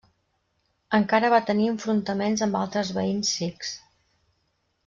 Encara va tenir enfrontaments amb altres veïns sikhs.